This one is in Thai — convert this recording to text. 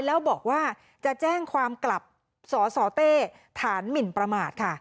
แล้วบอกว่าจะแจ้งความกลับสสเต้ฐานหมินประมาทค่ะ